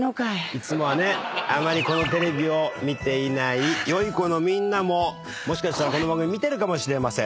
いつもはねあまりこのテレビを見ていない良い子のみんなももしかしたらこの番組見てるかもしれません。